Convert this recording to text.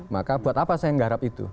maka buat apa saya menggarap itu